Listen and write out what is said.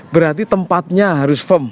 berarti tempatnya harus firm